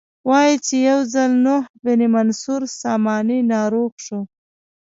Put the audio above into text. وایي چې یو ځل نوح بن منصور ساماني ناروغ شو.